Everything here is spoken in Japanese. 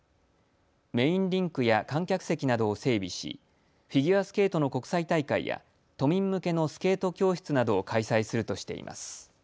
メインリンクや観客席などを整備し、フィギュアスケートの国際大会や都民向けのスケート教室などを開催するとしています。